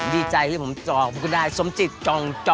ดีใจให้ผมจะจองคุณฟุกุนายสมจิตจองหอ